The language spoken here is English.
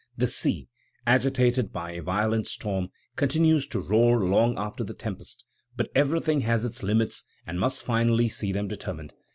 The sea, agitated by a violent storm, continues to roar long after the tempest; but everything has its limits and must finally see them determined.